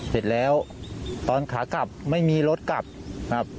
เสร็จแล้วตอนขากลับไม่มีรถกลับครับ